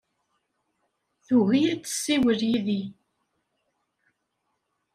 Tugi ad tessiwel yid-i.